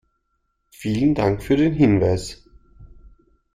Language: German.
Vielen Dank für den Hinweis.